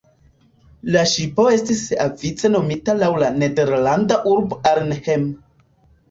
La ŝipo estis siavice nomita laŭ la nederlanda urbo Arnhem.